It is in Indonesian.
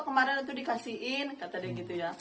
kemarin itu dikasihin kata dia gitu ya